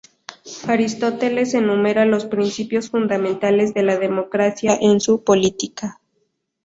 Aristóteles enumera los principios fundamentales de la democracia en su "Política".